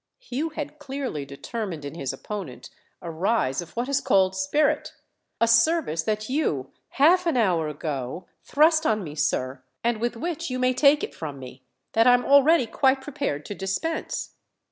Hugh had clearly determined in his opponent a rise of what is called spirit. "A service that you half an hour ago thrust on me, sir—and with which you may take it from me that I'm already quite prepared to dispense."